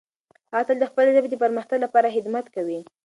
هغه تل د خپلې ژبې د پرمختګ لپاره خدمت کوي.